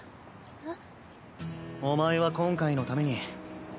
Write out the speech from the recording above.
えっ？